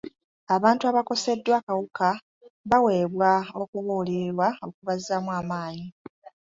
Abantu abakoseddwa akawuka baweebwa okubuulirirwa okubazzamu amaanyi.